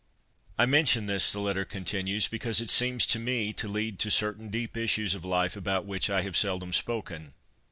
'' I mention this,' the letter continues, ■ because it seems to me to lead to certain deep issues of life about which I have seldom spoken.